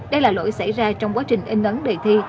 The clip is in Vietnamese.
đây là lỗi xảy ra trong quá trình in ấn đề thi